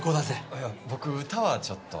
いや僕歌はちょっと。